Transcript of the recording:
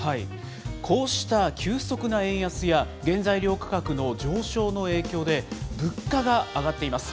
こうした急速な円安や原材料価格の上昇の影響で、物価が上がっています。